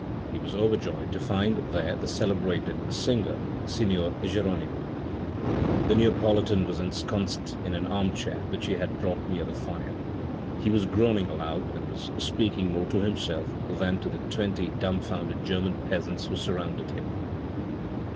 He was overjoyed to find there the celebrated singer, signor Geronimo. The Neopolitan was ensconced in an armchair which he had had brought near the fire. He was groaning aloud, and was speaking more to himself than to the twenty dumbfounded German peasants who surrounded him.